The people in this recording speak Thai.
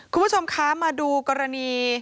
คุณผู้ชมคะมาดูกรณี